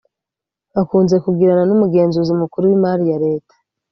bakunze kugirana n’umugenzuzi mukuru w’imari ya Leta